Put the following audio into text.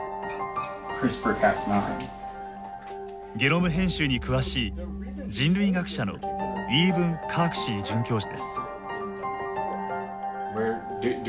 ゲノム編集に詳しい人類学者のイーブン・カークシー准教授です。